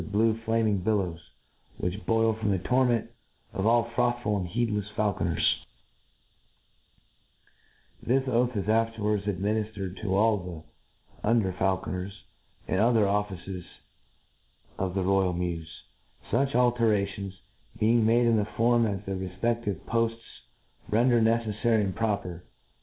blue flaming billows, which boil for the torture of all flothful and beedlefs faulcqners/' This oath is afterwards adminiftred to all the under faulconers and other officers pf the royal mews, fuch alterations being ihadt in the form as theiic tefpeftivc polls render neceffary and proper.